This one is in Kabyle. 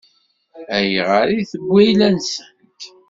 Ayɣer i tewwi ayla-nsent?